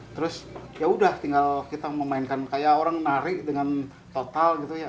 terus ya sudah kita memainkan kayak orang nari dengan total gitu ya